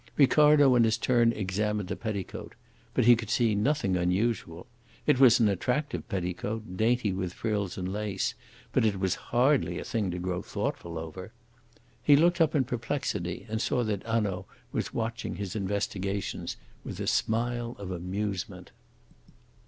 Ricardo in his turn examined the petticoat. But he could see nothing unusual. It was an attractive petticoat, dainty with frills and lace, but it was hardly a thing to grow thoughtful over. He looked up in perplexity and saw that Hanaud was watching his investigations with a smile of amusement.